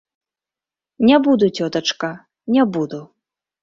Не буду, цётачка, не буду.